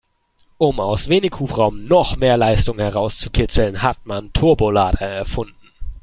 Um aus wenig Hubraum noch mehr Leistung herauszukitzeln, hat man Turbolader erfunden.